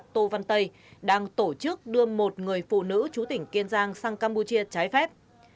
tôi biết tổ chức đưa người dược biên trái phép